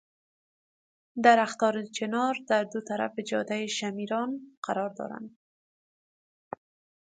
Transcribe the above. درختان چنار در دو طرف جادهی شمیران قرار دارند.